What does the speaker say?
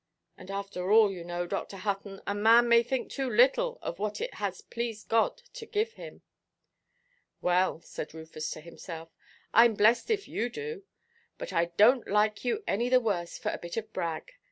And after all, you know, Dr. Hutton, a man may think too little of what it has pleased God to give him." "Well," said Rufus to himself, "Iʼm blessed if you do. But I donʼt like you any the worse for a bit of brag.